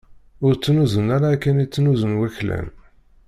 Ur ttnuzun ara akken i ttnuzun waklan.